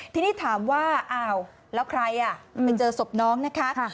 ทีนี้ถามว่าอ้าวแล้วใครไปเจอศพน้องนะคะ